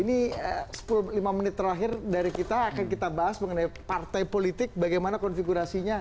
ini sepuluh lima menit terakhir dari kita akan kita bahas mengenai partai politik bagaimana konfigurasinya